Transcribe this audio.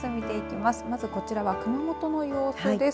まずこちらは熊本の様子です。